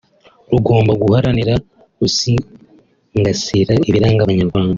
rugomba guharanira gusingasira ibiranga Abanyarwanda